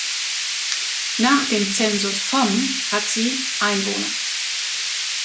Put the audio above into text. Nach dem Zensus vom hat sie Einwohner.